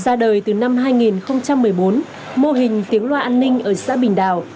ra đời từ năm hai nghìn một mươi bốn mô hình tiếng loa an ninh ở xã bình đào